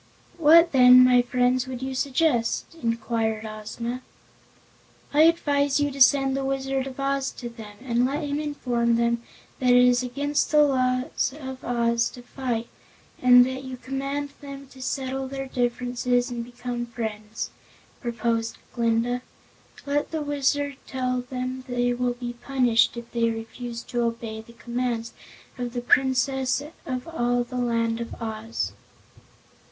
"What then, my friends, would you suggest?" inquired Ozma. "I advise you to send the Wizard of Oz to them, and let him inform them that it is against the laws of Oz to fight, and that you command them to settle their differences and become friends," proposed Glinda. "Let the Wizard tell them they will be punished if they refuse to obey the commands of the Princess of all the Land of Oz."